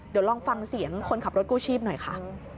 เดี๋ยวลองฟังเสียงคนขับรถกู้ชีพหน่อยค่ะ